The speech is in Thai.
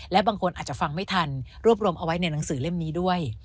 และบางคนอาจจะฟังไม่ทันรวบรวมเอาไว้ในหนังสือเล่มนี้ด้วย